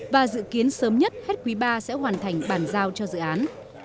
và dự kiến sớm nhất hết quý ba sẽ hoàn thành bàn giao cho dự án